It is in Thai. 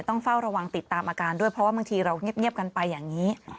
ต้องเฝ้าระวังติดตามอาการด้วยเพราะว่าบางทีเราเงียบกันไปอย่างนี้